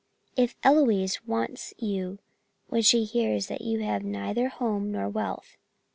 "If Eloise wants you when she hears that you have neither home nor wealth.